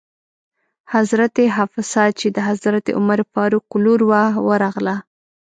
حضرت حفصه چې د حضرت عمر فاروق لور وه ورغله.